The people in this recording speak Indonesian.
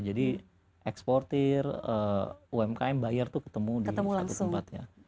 jadi eksportir umkm buyer itu ketemu di satu tempatnya